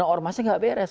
ormasnya nggak beres